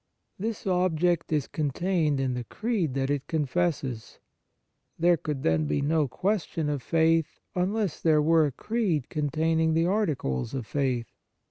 This object is contained in the Creed that it confesses. There could, then, 59 On Piety be no question of faith unless there were a Creed containing the articles of faith.